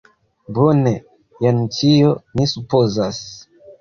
Bone, jen ĉio mi supozas!